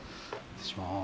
失礼します。